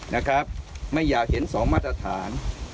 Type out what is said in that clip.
นะครับไม่อยากเห็นสองมาตรฐาน